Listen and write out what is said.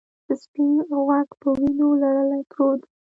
سپین غوږ په وینو لړلی پروت و.